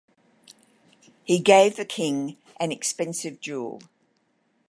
He gave the king an expensive jewel.